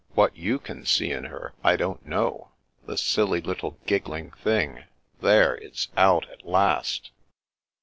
What yau can see in her, I don't know — ^the silly little giggling thing! There, it's out at last."